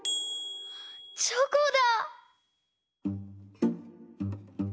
チョコだ。